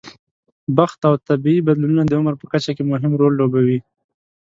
بخت او طبیعي بدلونونه د عمر په کچه کې مهم رول لوبوي.